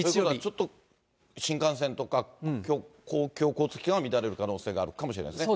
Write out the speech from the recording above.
ちょっと新幹線とか、公共交通機関は乱れる可能性があるかもしれないですね。